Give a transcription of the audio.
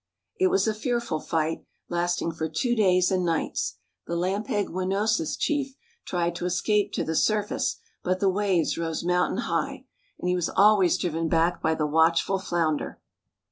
It was a fearful fight, lasting for two days and nights. The Lampegwinosis chief tried to escape to the surface; but the waves rose mountain high, and he was always driven back by the watchful Flounder.